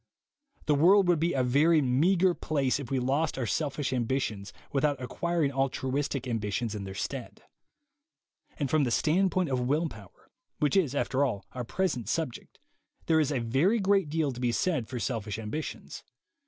The world would be a very meagre place if we lost our selfish ambitions without acquiring altruistic ambitions in their stead. And from the standpoint of will power, which is, after all, our present subject, there is a very great deal to be said for selfish ambitions.